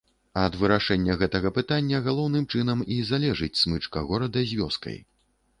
Ад вырашэння гэтага пытання галоўным чынам і залежыць смычка горада з вёскай.